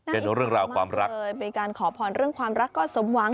เป็นเรื่องราวความรักเคยเป็นการขอพรเรื่องความรักก็สมหวัง